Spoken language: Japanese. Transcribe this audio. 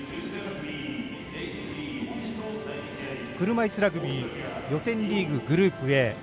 車いすラグビー予選リーググループＡ